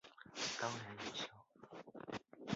当然有效！